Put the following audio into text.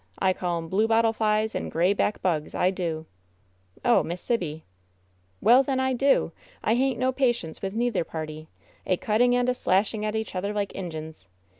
I calls 'em Blue Bottle Flies and Gray Back Bugs, I do !" "Oh, Miss Sibby I" "Well, then, I do ! I hain't no patience with neither party! A cutting and a slashing at each other like Injuns